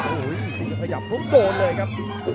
หยับลงโตนเลยครับ